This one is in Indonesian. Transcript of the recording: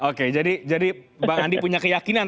oke jadi bung adi punya keyakinan